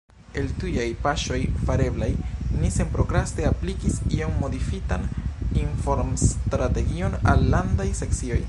El tujaj paŝoj fareblaj, ni senprokraste aplikis iom modifitan informstrategion al Landaj Sekcioj.